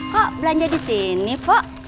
kok belanja di sini bu